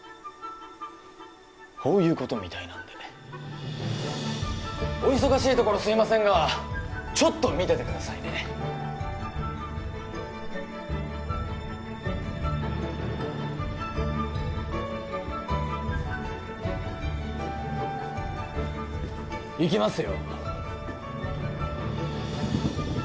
ほういうことみたいなんでお忙しいところすいませんがちょっと見ててくださいねいきますよ